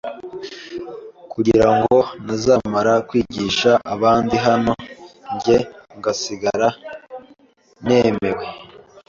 kugira ngo ntazamara kwigisha abandi naho jye ngasigara ntemewe.